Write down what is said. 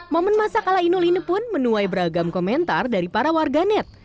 momen masak ala inul ini pun menuai beragam komentar dari para warganet